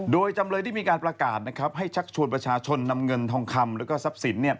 โดยจำเลยได้มีการประกาศให้ชักชวนประชาชนนำเงินทองคำแล้วก็ทรัพย์สิน